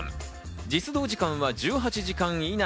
実働時間は１８時間以内。